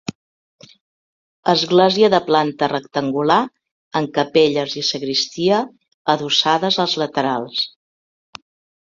Església de planta rectangular amb capelles i sagristia adossades als laterals.